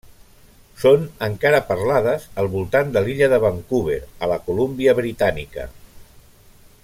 Són encara parlades al voltant de l'illa de Vancouver, a la Colúmbia Britànica.